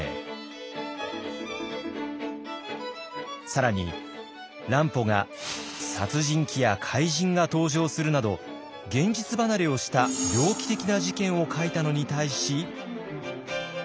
更に乱歩が殺人鬼や怪人が登場するなど現実離れをした猟奇的な事件を書いたのに対し。